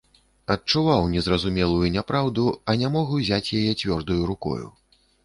Адчуваў незразумелую няпраўду, а не мог узяць яе цвёрдаю рукою.